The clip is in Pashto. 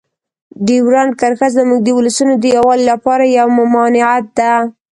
ډیورنډ کرښه زموږ د ولسونو د یووالي لپاره یوه ممانعت ده.